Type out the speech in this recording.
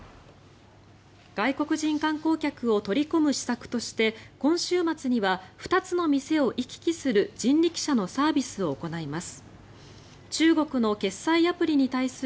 外国人観光客を取り込む施策として今週末には２つの店を行き来する人力車のサービスを行います。